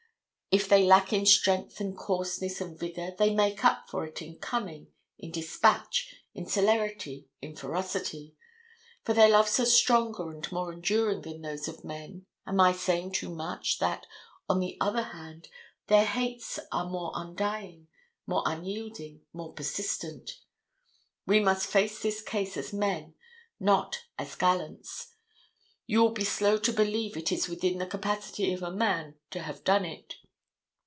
If they lack in strength and coarseness and vigor, they make up for it in cunning, in dispatch, in celerity, in ferocity. If their loves are stronger and more enduring than those of men, am I saying too much that, on the other hand, their hates are more undying, more unyielding, more persistent? We must face this case as men, not as gallants. You will be slow to believe it is within the capacity of a man to have done it.